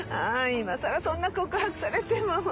今さらそんな告白されても。